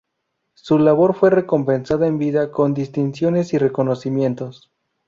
Su labor fue recompensada en vida con distinciones y reconocimientos.